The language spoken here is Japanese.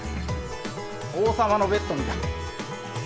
王様のベッドみたい。